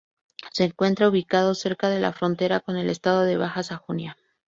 Se encuentra ubicado cerca de la frontera con el estado de Baja Sajonia.